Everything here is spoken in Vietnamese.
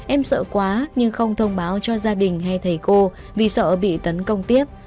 em sợ quá nhưng không thông báo cho gia đình hay thầy cô vì sợ bị tấn công tiếp